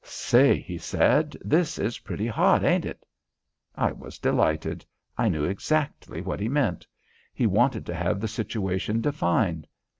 "Say," he said, "this is pretty hot, ain't it?" I was delighted. I knew exactly what he meant. He wanted to have the situation defined.